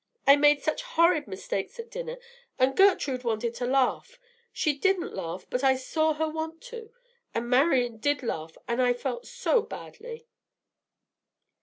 "I made such horrid mistakes at dinner, and Gertrude wanted to laugh, she didn't laugh, but I saw her want to, and Marian did laugh, and I felt so badly."